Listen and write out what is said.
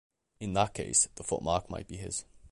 In that case the footmark might be his.